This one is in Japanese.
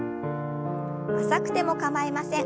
浅くても構いません。